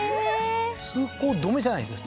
通行止めじゃないんですね